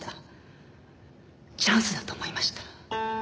チャンスだと思いました。